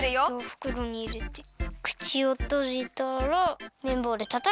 ふくろにいれてくちをとじたらめんぼうでたたく。